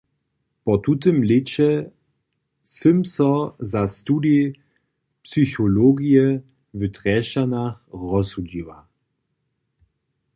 Po tutym lěće sym so za studij psychologije w Drježdźanach rozsudźiła.